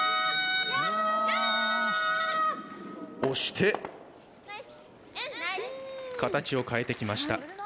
押して形を変えてきました。